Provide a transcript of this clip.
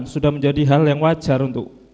sudah menjadi hal yang wajar untuk